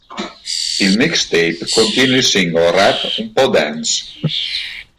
Il mixtape contiene il singolo "Rap un po' dance".